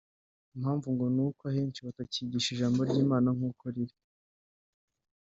Impavu ngo ni uko ahenshi batakigisha ijambo ry’Imna nkuko riri